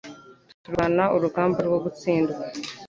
Turwana urugamba rwo gutsindwa